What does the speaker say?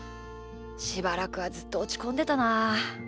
しばらくはずっとおちこんでたな。